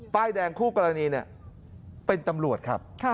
ป้ายแดงคู่กรณีเป็นตำรวจครับ